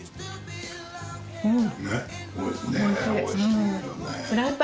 うん。